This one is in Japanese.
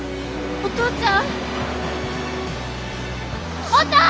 お父ちゃん！